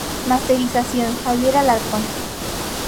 Masterización: Xavier Alarcón.